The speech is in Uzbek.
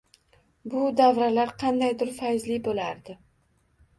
Bu davralar qandaydur fayzli boʻlardi